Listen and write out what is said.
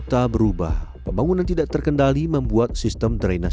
terdapat pembawa perbawa air padakrempuran bet proceedus